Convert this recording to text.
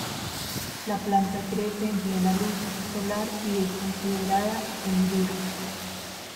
La planta crece en plena luz solar, y es considerada "semi" dura.